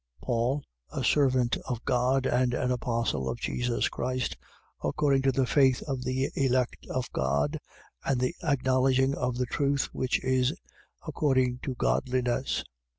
1:1. Paul, a servant of God and an apostle of Jesus Christ, according to the faith of the elect of God and the acknowledging of the truth, which is according to godliness: 1:2.